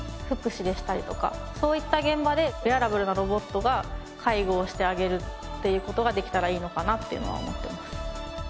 福祉でしたりとかそういった現場でウェアラブルなロボットが介護をしてあげるっていう事ができたらいいのかなっていうのは思ってます。